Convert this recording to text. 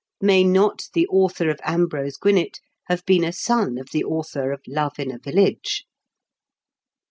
May not the author of Ambrose Gwinett have been a son of the author of Love in a Village